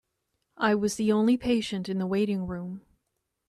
I was the only patient in the waiting room.